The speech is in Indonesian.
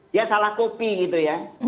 dia salah kopi gitu ya